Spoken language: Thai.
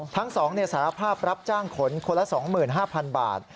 ทั้ง๒สารภาพรับจ้างขนคนละ๒๕๐๐๐บาท